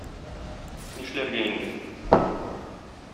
Нишләргә инде?